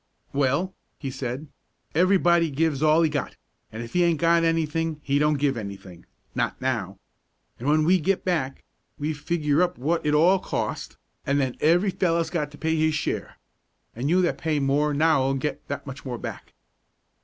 "Well," he said, "everybody gives all he's got, an' if he aint got anything, he don't give anything, not now. An' when we get back, we'll figure up what it all cost, an' then every fellow's got to pay his share, an' you that pay more now'll get that much more back."